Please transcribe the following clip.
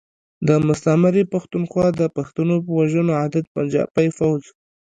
د مستعمرې پختونخوا د پښتنو په وژنو عادت پنجابی فوځ.